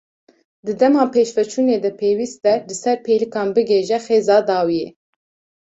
Di dema pêşveçûnê de pêwîst e li ser pêlikan bighêje xêza dawiyê.